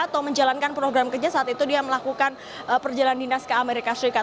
atau menjalankan program kerja saat itu dia melakukan perjalanan dinas ke amerika serikat